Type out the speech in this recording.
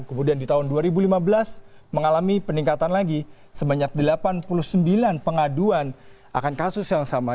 kemudian di tahun dua ribu lima belas mengalami peningkatan lagi sebanyak delapan puluh sembilan pengaduan akan kasus yang sama